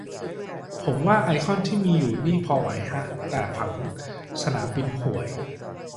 ผมว่าไอคอนที่มีอยู่นี่พอไหวฮะ แต่ผังสนามบินห่วย